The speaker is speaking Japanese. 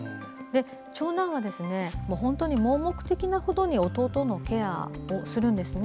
長男は本当に盲目的なほどに弟のケアをするんですね。